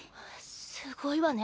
すごいわね。